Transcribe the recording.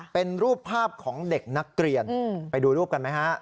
เป็นรูปภาพของเด็กนักเรียนไปดูรูปกันไหมฮะ